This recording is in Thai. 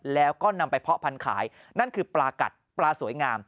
แล้วก็นำไปเพาะพันธุ์ขายนั่นคือปลากัดปลาสวยงาม